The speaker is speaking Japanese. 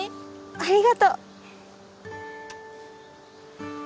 ありがとう。